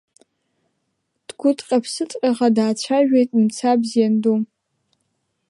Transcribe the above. Дгәыҭҟьа-ԥсыҭҟьаха даацәажәеит Мцабз ианду.